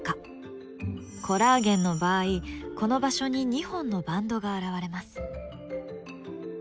コラーゲンの場合この場所に２本のバンドが現れます。